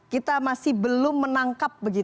kita masih belum menangkap